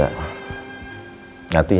nanti gak ada kejadian apa apa ma